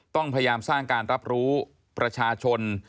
ต้องพยายามสร้างการรับรู้ประชาชน